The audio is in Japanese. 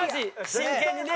真剣にね。